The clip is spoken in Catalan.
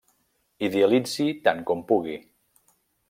Idealitzi tant com pugui.